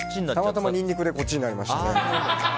たまたまニンニクでこっちになりましたね。